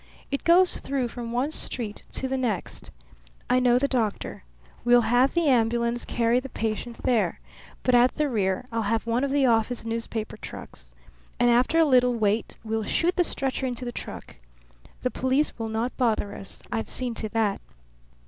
It goes through from one street to the next. I know the doctor. We'll have the ambulance carry the patient there, but at the rear I'll have one of the office newspaper trucks. And after a little wait we'll shoot the stretcher into the truck. The police will not bother us. I've seen to that.